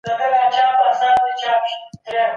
فیل د شپې په تیاره کې له کلي تېر سوی و.